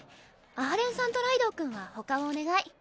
阿波連さんとライドウ君はほかをお願い。